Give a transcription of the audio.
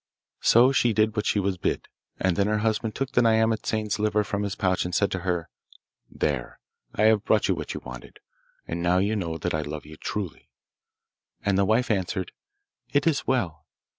So she did what she was bid, and then her husband took the nyamatsane's liver from his pouch and said to her, 'There, I have brought you what you wanted, and now you know that I love you truly.' And the wife answered, 'It is well.